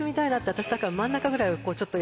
私だから真ん中ぐらいをちょっと。